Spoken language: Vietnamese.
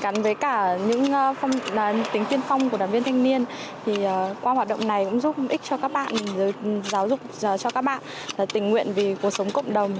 gắn với cả những tính tiên phong của đoàn viên thanh niên thì qua hoạt động này cũng giúp ích cho các bạn giáo dục cho các bạn tình nguyện vì cuộc sống cộng đồng